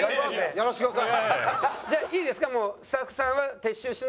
やらせてください。